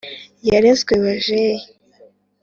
”yarezwe bajeyi“.